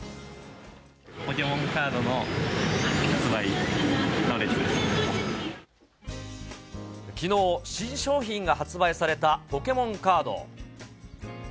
ポケモンカードの発売の列できのう、新商品が発売されたポケモンカード。